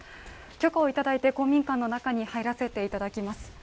許可をいただいて、公民館の中に入らせていただきます。